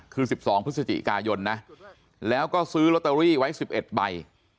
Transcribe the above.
คือสิบสองพฤศจิกายนนะแล้วก็ซื้อล็อตเตอรี่ไว้สิบเอ็ดใบ